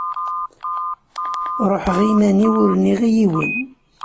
Ruḥeɣ iman-iw ur nniɣ i yiwen.